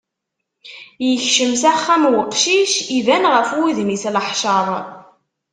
Yekcem s axxam uqcic, iban ɣef wudem-is leḥcer.